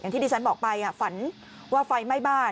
ที่ดิฉันบอกไปฝันว่าไฟไหม้บ้าน